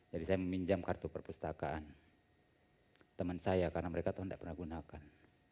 jadi saya meminjam kartu perpustakaan teman saya karena mereka itu tidak pernah gunakan